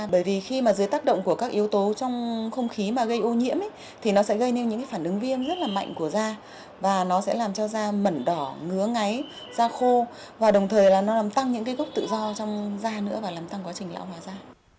bởi vì khi mà dưới tác động của các yếu tố trong không khí mà gây ô nhiễm thì nó sẽ gây nên những cái phản ứng viêm rất là mạnh của da và nó sẽ làm cho da mẩn đỏ ngứa ngáy da khô và đồng thời là nó làm tăng những cái gốc tự do trong da nữa và làm tăng quá trình lão hòa da